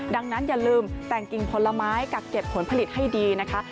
ดังนั้นอย่าลืมแต่งกิ่งผลไม้กักเก็บผลผลิตให้ดีนะคะ